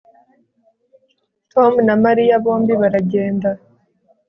Tom na Mariya bombi baragenda